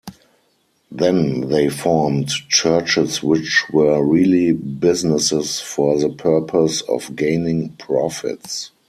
Then they formed churches which were really businesses for the purpose of gaining profits.